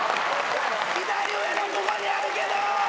左上のここにあるけど。